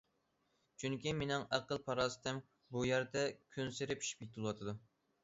چۈنكى مېنىڭ ئەقىل- پاراسىتىم بۇ يەردە كۈنسېرى پىشىپ يېتىلىۋاتىدۇ.